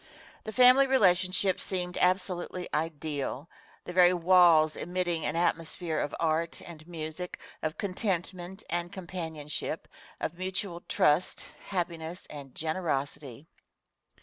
The family relationship seemed absolutely ideal the very walls emitting an atmosphere of art and music, of contentment and companionship, of mutual trust, happiness and generosity.